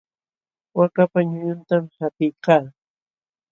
Waakapa ñuñuntam qapiykaa.